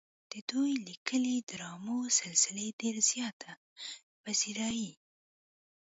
د دوي ليکلې ډرامو سلسلې ډېره زياته پذيرائي